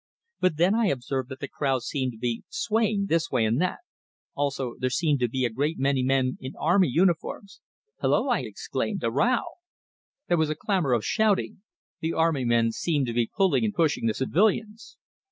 But then I observed that the crowd seemed to be swaying this way and that; also there seemed to be a great many men in army uniforms. "Hello!" I exclaimed. "A row?" There was a clamor of shouting; the army men seemed to be pulling and pushing the civilians.